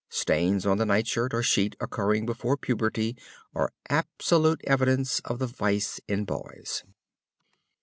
Stains on the nightshirt or sheet occurring before puberty are absolute evidence of the vice in boys.